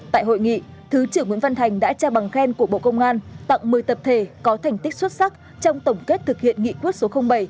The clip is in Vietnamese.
tại hội nghị thứ trưởng nguyễn văn thành đã trao bằng khen của bộ công an tặng một mươi tập thể có thành tích xuất sắc trong tổng kết thực hiện nghị quyết số bảy